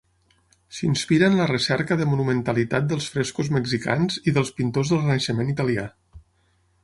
S'inspira en la recerca de monumentalitat dels frescos mexicans i dels pintors del Renaixement italià.